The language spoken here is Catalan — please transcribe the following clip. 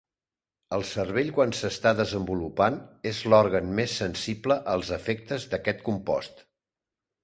El cervell quan s'està desenvolupant és l'òrgan més sensible als efectes d'aquest compost.